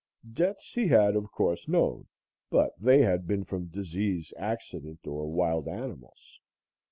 Deaths he had, of course, known, but they had been from disease, accident or wild animals.